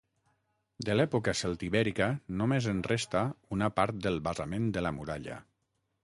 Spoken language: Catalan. De l'època celtibèrica només en resta una part del basament de la muralla.